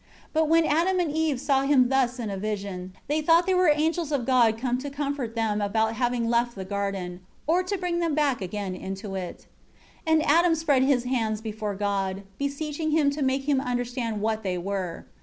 2 But when Adam and Eve saw him thus in a vision, they thought they were angels of God come to comfort them about having left the garden, or to bring them back again into it. 3 And Adam spread his hands before God, beseeching Him to make him understand what they were.